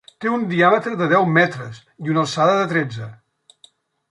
Té un diàmetre de deu metres i una alçada de tretze.